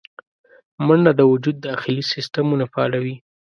منډه د وجود داخلي سیستمونه فعالوي